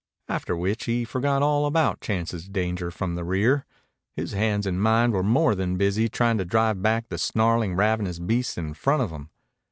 After which he forgot all about chances of danger from the rear. His hands and mind were more than busy trying to drive back the snarling, ravenous beast in front of him.